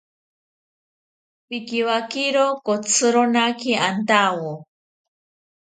Pikiwakiro kotzironaki antawo